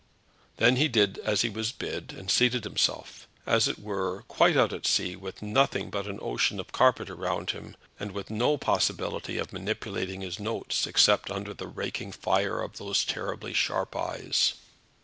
Then he did as he was bid, and seated himself, as it were, quite out at sea, with nothing but an ocean of carpet around him, and with no possibility of manipulating his notes except under the raking fire of those terribly sharp eyes.